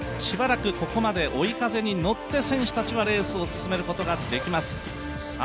しばらくここまで追い風に乗って選手たちはレースを進めることができます。